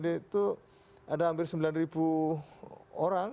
itu ada hampir sembilan orang